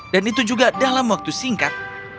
dan itu juga dalam waktu singkat